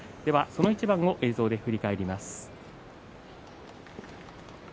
その一番を映像で振り返ります。